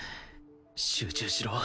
集中しろ